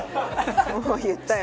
もう言ったよ。